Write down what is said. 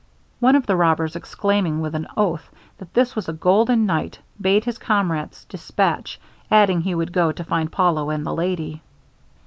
One of the robbers exclaiming with an oath that this was a golden night, bade his comrades dispatch, adding he would go to find Paulo and the lady.